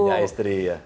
punya istri ya